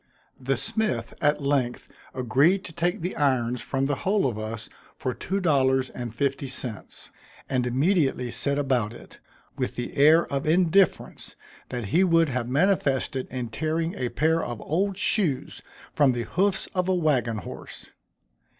The smith at length agreed to take the irons from the whole of us for two dollars and fifty cents, and immediately set about it, with the air of indifference that he would have manifested in tearing a pair of old shoes from the hoofs of a wagon horse.